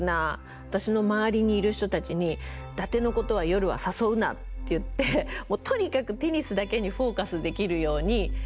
私の周りにいる人たちに「伊達のことは夜は誘うな」って言ってとにかくテニスだけにフォーカスできるように。